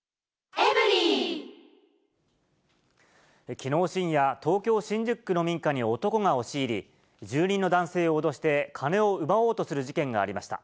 きのう深夜、東京・新宿区の民家に男が押し入り、住人の男性を脅して、金を奪おうとする事件がありました。